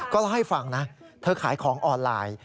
ก็เล่าให้ฟังนะเธอขายของออนไลน์